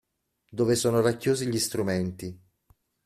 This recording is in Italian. Dove sono racchiusi gli strumenti.